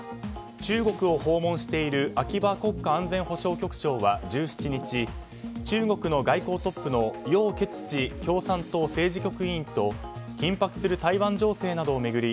中国を訪問している秋葉国家安全保障局長は１７日中国の外交トップのヨウ・ケツチ共産党政治局員と緊迫する台湾情勢などを巡り